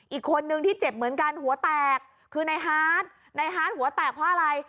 อีกคนนึงที่เจ็บเหมือนกันหัวแตกคือในฮาร์ดในฮาร์ดหัวแตกเพราะอะไร